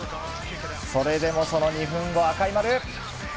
それでもその２分後、赤い丸。